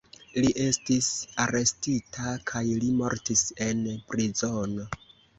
Li estis arestita kaj li mortis en prizono.